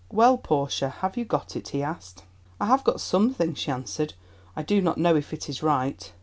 "Well, Portia, have you got it?" he asked. "I have got something," she answered. "I do not know if it is right.